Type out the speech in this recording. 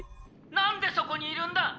「何でそこにいるんだ！？」。